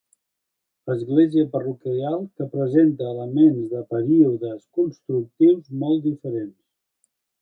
Església parroquial que presenta elements de períodes constructius molt diferents.